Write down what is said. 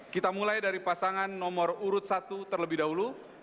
kita mulai dari pasangan nomor urut satu terlebih dahulu